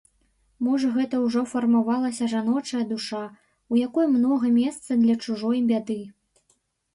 Можа гэта ўжо фармавалася жаночая душа, у якой многа месца для чужой бяды.